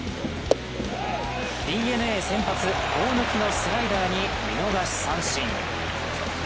ＤｅＮＡ先発・大貫のスライダーに見逃し三振。